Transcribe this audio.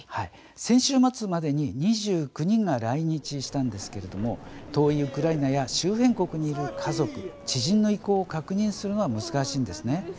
先週末までに２９人が来日したんですけれども遠いウクライナや周辺国にいる家族、知人の意向を確認するのは難しいんですね。